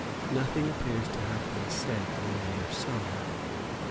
Nothing appears to have been said on the other side.